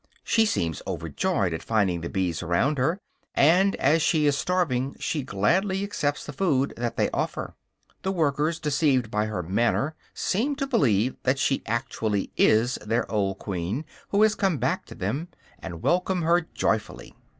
She seems overjoyed at finding the bees around her, and as she is starving she gladly accepts the food that they offer her. The workers, deceived by her manner, seem to believe that she actually is their old queen who has come back to them, and welcome her joyfully.